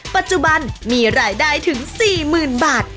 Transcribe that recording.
ปัจจุบันมีรายได้ถึง๔๐๐๐บาท